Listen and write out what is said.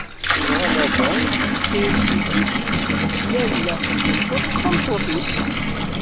Dɣa Laban ifka-as yelli-s Lalla Xelluǧa d tameṭṭut-is.